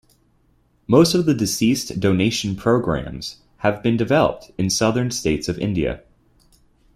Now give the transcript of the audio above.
Most of the deceased donation programmes have been developed in southern states of India.